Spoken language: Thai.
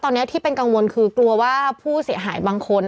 ตอนนี้ที่เป็นกังวลคือกลัวว่าผู้เสียหายบางคน